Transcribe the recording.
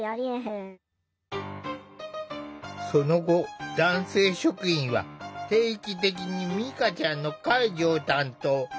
その後男性職員は定期的にみかちゃんの介助を担当。